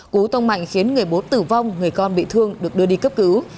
cú tông mạnh khiến người bốn tử vong người con bị thương được đưa đi cấp cứu